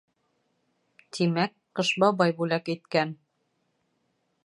Тимәк, Ҡыш бабай бүләк иткән!